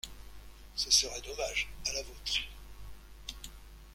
Ce serait dommage. À la vôtre!